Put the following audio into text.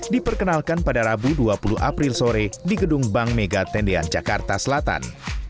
diperkenalkan pada rabu dua puluh april sore di gedung bank mega tendian jakarta selatan